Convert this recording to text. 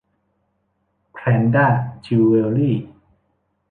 แพรนด้า จิวเวลรี่